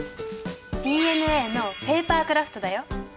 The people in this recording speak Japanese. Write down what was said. ＤＮＡのペーパークラフトだよ。